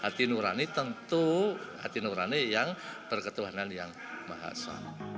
hati nurani tentu hati nurani yang berketuhanan yang mahasiswa